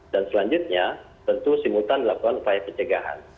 dan selanjutnya tentu simultan dilakukan upaya pencegahan